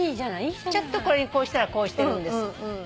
「ちょっとこれにこうしたらこうしてるんです」